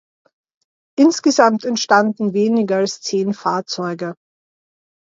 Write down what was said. Insgesamt entstanden weniger als zehn Fahrzeuge.